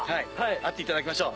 会っていただきましょう。